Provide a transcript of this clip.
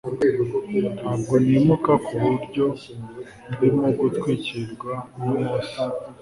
ntabwo nimuka kuburyo ndimo gutwikirwa na mose